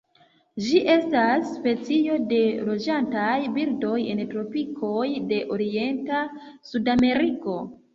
Ĝi estas specio de loĝantaj birdoj en tropikoj de orienta Sudameriko.